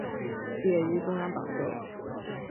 毕业于中央党校。